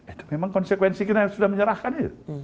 itu memang konsekuensi kita sudah menyerahkan ya